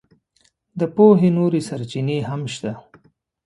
د پوهې نورې سرچینې هم شته.